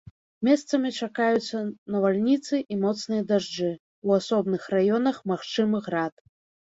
Месцамі чакаюцца навальніцы і моцныя дажджы, у асобных раёнах магчымы град.